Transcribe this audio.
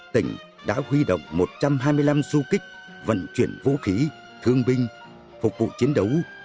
tỉnh đã huy động một trăm hai mươi năm du kích vận chuyển vũ khí thương binh phục vụ chiến đấu